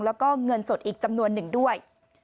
แล้วก็เงินสดอีกจำนวนหนึ่งด้วย